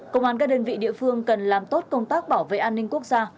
công an các đơn vị địa phương cần làm tốt công tác bảo vệ an ninh quốc gia